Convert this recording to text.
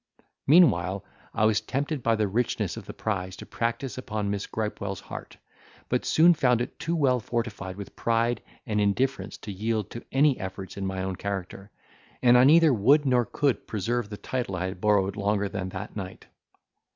Meanwhile, I was tempted by the richness of the prize to practise upon Miss Gripewell's heart, but soon found it too well fortified with pride and indifference to yield to any efforts in my own character, and I neither would nor could preserve the title I had borrowed longer than that night.